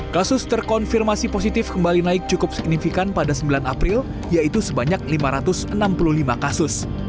kasus terkonfirmasi positif kembali naik cukup signifikan pada sembilan april yaitu sebanyak lima ratus enam puluh lima kasus